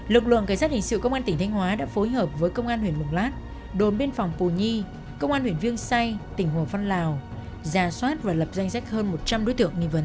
lực lượng cảnh sát hình sự công an tỉnh thanh hóa đã phối hợp với công an huyện mường lát đồn biên phòng pù nhi công an huyện viêng xay tỉnh hồ văn lào giả soát và lập danh sách hơn một trăm linh đối tượng nghi vấn